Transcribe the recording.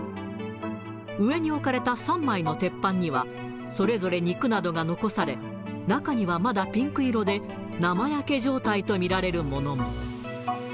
上に置かれた３枚の鉄板には、それぞれ肉などが残され、中にはまだピンク色で、生焼け状態と見られるものも。